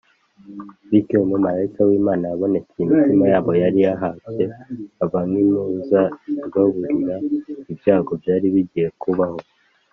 bityo, umumarayika w’imana yabonekeye imitima yabo yari yahabye aba nk’impuruza ibaburira ibyago byari bigiye kubaho.